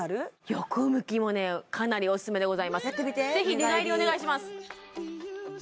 横向きもねかなりオススメでございますやってみて寝返りぜひ寝返りお願いします